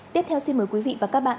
tiếp theo xin mời quý vị và các bạn